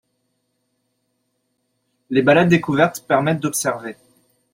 les balades découvertes permettent d’observer